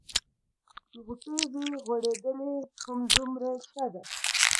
چې غوټۍ وي غوړېدلې هومره ښه ده.